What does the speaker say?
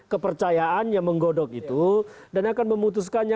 kepercayaannya menggodok itu dan akan memutuskannya